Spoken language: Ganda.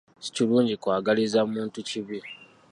Si kirungi kw'agaliza muntu kibi.